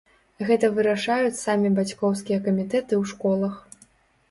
Гэта вырашаюць самі бацькоўскія камітэты ў школах.